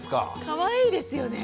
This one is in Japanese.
かわいいですよね。